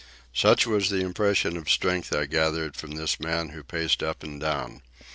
Such was the impression of strength I gathered from this man who paced up and down.